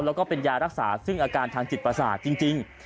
แล้วก็เป็นยารักษาซึ่งอาการทางจิตประสาทจริง